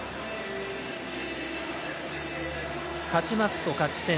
勝ちますと勝ち点３。